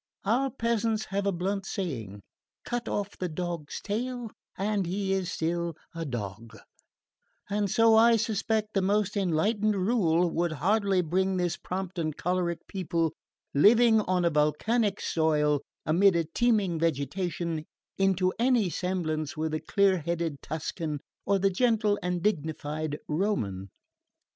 Our peasants have a blunt saying: Cut off the dog's tail and he is still a dog; and so I suspect the most enlightened rule would hardly bring this prompt and choleric people, living on a volcanic soil amid a teeming vegetation, into any resemblance with the clear headed Tuscan or the gentle and dignified Roman."